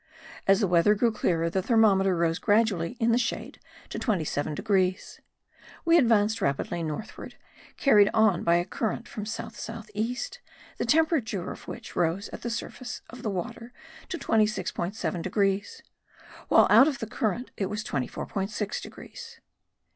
As the weather grew clearer the thermometer rose gradually in the shade to 27 degrees: we advanced rapidly northward, carried on by a current from south south east, the temperature of which rose at the surface of the water to 26.7 degrees; while out of the current it was 24.6 degrees.